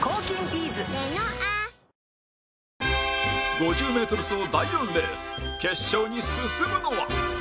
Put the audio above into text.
５０メートル走第４レース決勝に進むのは？